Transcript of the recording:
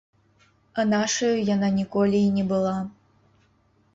А нашаю яна ніколі й не была.